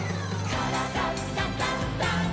「からだダンダンダン」